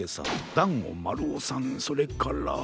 だんごまるおさんそれから。